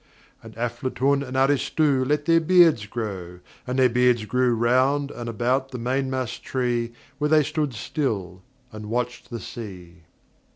And Aflatun and Aristu Let their Beards grow, and their Beards grew Round and about the mainmast tree Where they stood still, and watched the sea.